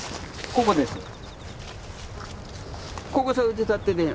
ここです。